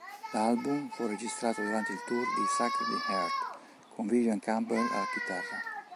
L'album fu registrato durante il tour di "Sacred Heart" con Vivian Campbell alla chitarra.